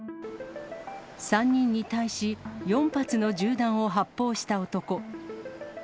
３人に対し、４発の銃弾を発砲した男。